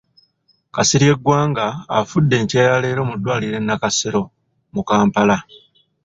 Kasirye Gwanga afudde enkya ya leero mu ddwaliro e Nakasero mu Kampala.